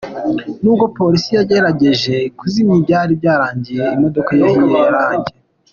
N'ubwo Polisi yagerageje kuzimya, byari byarangiye imodoka yahiye yarangiye.